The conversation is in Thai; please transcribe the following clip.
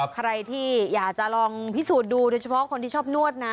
ใครที่อยากจะลองพิสูจน์ดูโดยเฉพาะคนที่ชอบนวดนะ